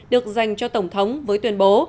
được dành cho tổng thống với tuyên bố